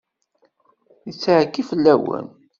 Yettɛekki fell-awen.